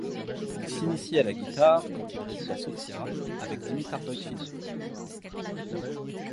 Il s'initie à la guitare quand il réside à Sofia, avec Dimitar Doitchinov.